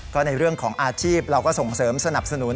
ก็ในเรื่องของอาชีพเราก็ส่งเสริมสนับสนุน